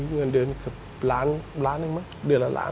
เงินเดือนขึ้นล้านหรือมากมีเดือนละล้าน